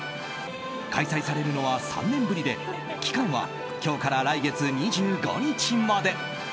開催されるのは３年ぶりで期間は今日から来月２５日まで。